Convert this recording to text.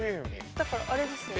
だからあれですよね。